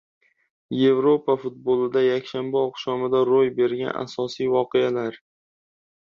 Yevropa futbolida yakshanba oqshomida ro‘y bergan asosiy voqealar.